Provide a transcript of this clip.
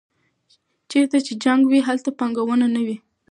چېرته چې جنګ وي هلته پانګونه نه وي.